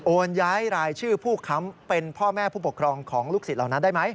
ย้ายรายชื่อผู้ค้ำเป็นพ่อแม่ผู้ปกครองของลูกศิษย์เหล่านั้นได้ไหม